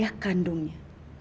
oleh ayah kandungnya